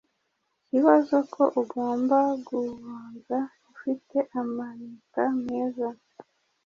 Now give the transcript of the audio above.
Ikibazo ko ugomba guonza, ufite amanita meza